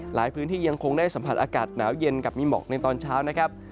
หลายพื้นที่ยังคงได้สัมผัสอากาศหนาวเย็นกับมีหมอกในตอนเช้านะครับ